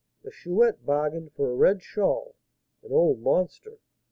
The Chouette bargained for a red shawl, an old monster!